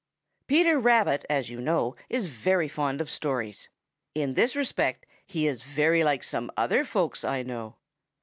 Peter Rabbit, as you know, is very fond of stories. In this respect he is very like some other folks I know.